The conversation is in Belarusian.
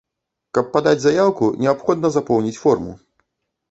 Каб падаць заяўку, неабходна запоўніць форму.